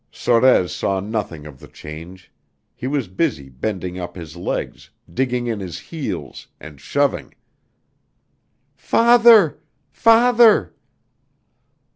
Sorez saw nothing of the change. He was busy bending up his legs, digging in his heels, and shoving. "Father! Father!"